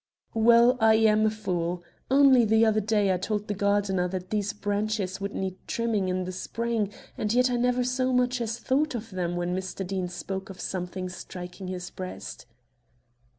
"Well, I'm a fool. Only the other day I told the gardener that these branches would need trimming in the spring, and yet I never so much as thought of them when Mr. Deane spoke of something striking his breast."